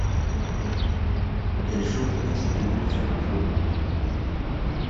Quel jour doivent-ils venir faire un tour ?